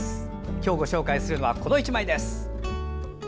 今日ご紹介するのはこの１枚です。